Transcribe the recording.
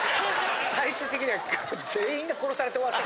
最終的には全員が殺されて終わった。